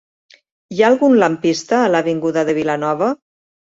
Hi ha algun lampista a l'avinguda de Vilanova?